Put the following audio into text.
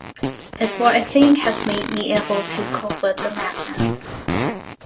It's what I think has made me able to cope with the madness.